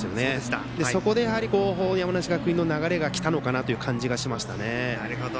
そこで山梨学院の流れがきたのかなという感じがしましたね。